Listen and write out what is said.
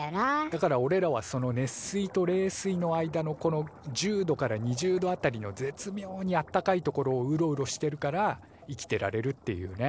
だからおれらはその熱水と冷水の間のこの１０度から２０度辺りのぜつみょうにあったかい所をウロウロしてるから生きてられるっていうね。